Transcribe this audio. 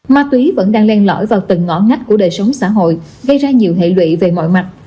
ma túy vẫn đang len lõi vào từng ngõ ngách của đời sống xã hội gây ra nhiều hệ lụy về mọi mặt